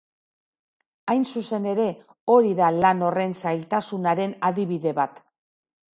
Hain zuzen ere, hori da lan horren zailtasunaren adibide bat.